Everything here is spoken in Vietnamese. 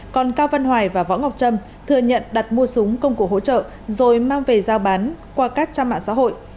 còn cao văn hoài và võ ngọc trâm thừa nhận đặt mua súng công cụ hỗ trợ rồi mang về giao bán qua các trang mạng xã hội